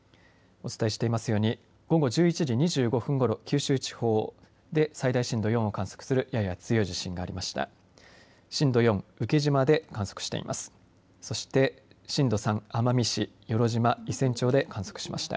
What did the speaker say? お伝えしていますように午後１１時２５分ごろ九州地方で最大震度４を観測するやや強い地震がありました。